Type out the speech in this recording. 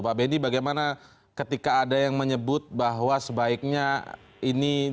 pak benny bagaimana ketika ada yang menyebut bahwa sebaiknya ini justru dibuktikan sendiri begitu saja